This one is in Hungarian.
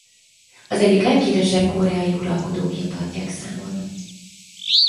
Az egyik leghíresebb koreai uralkodóként tartják számon.